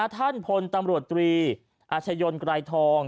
ท่านพลตำรวจตรีอาชญนไกรทอง